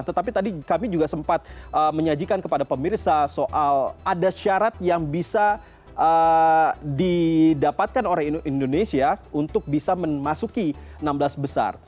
nah tetapi tadi kami juga sempat menyajikan kepada pemirsa soal ada syarat yang bisa didapatkan oleh indonesia untuk bisa memasuki enam belas besar